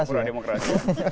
bukan pura pura demokrasi